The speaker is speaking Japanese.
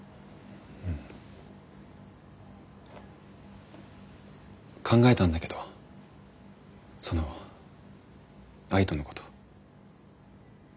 ううん。考えたんだけどその愛とのこと。